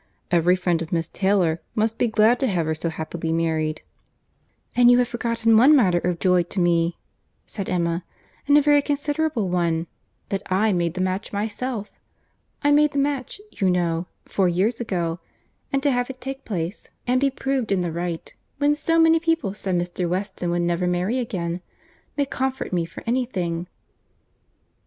Every friend of Miss Taylor must be glad to have her so happily married." "And you have forgotten one matter of joy to me," said Emma, "and a very considerable one—that I made the match myself. I made the match, you know, four years ago; and to have it take place, and be proved in the right, when so many people said Mr. Weston would never marry again, may comfort me for any thing."